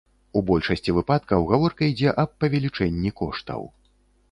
У большасці выпадкаў гаворка ідзе аб павелічэнні коштаў.